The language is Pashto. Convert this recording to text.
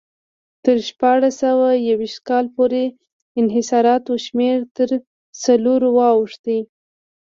تر شپاړس سوه یو ویشت کال پورې انحصاراتو شمېر تر سلو واوښت.